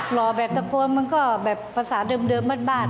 หล่อแบบทุกคนมันก็แบบภาษาเดิมบ้านบ้าน